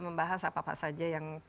membahas apa apa saja yang